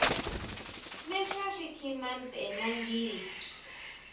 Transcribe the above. ¿Jmé xá xi kjima ntʼe nanguiri?